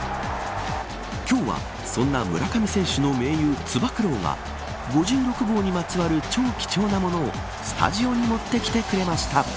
今日はそんな村上選手の盟友つば九郎が５６号にまつわる超貴重なものをスタジオに持ってきてくれました。